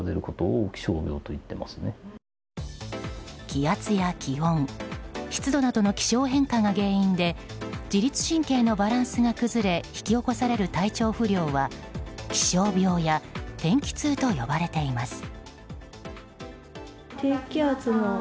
気圧や気温、湿度などの気象変化が原因で自律神経のバランスが崩れ引き起こされる体調不良は気象病や天気痛と呼ばれています。